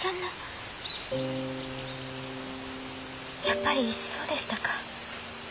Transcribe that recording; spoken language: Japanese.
やっぱりそうでしたか。